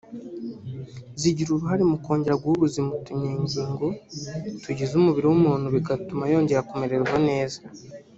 zigira uruhare mu kongera guha ubuzima utunyangingo tugize umubiri w’umuntu bigatuma yongera kumererwa neza